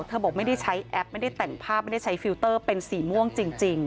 บอกไม่ได้ใช้แอปไม่ได้แต่งภาพไม่ได้ใช้ฟิลเตอร์เป็นสีม่วงจริง